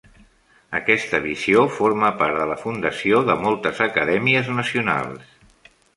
Aquesta visió forma part de la fundació de moltes acadèmies nacionals.